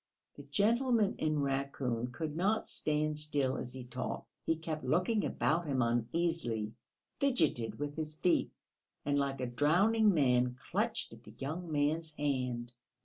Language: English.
The gentleman in raccoon could not stand still as he talked; he kept looking about him uneasily, fidgeted with his feet, and like a drowning man clutched at the young man's hand.